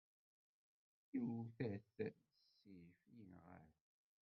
Yewta-t s ssif, yenɣa-t.